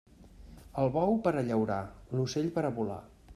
El bou per a llaurar, l'ocell per a volar.